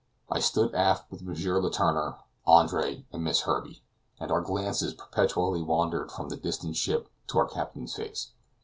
I stood aft with M. Letourneur, Andre and Miss Herbey, and our glances perpetually wandered from the distant ship to our captain's face.